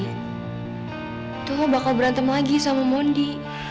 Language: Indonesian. itu kok bakal berantem lagi sama mondi